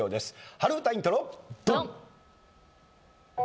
春うたイントロドン！